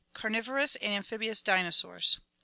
Carnivorous and amphibious dinosaurs.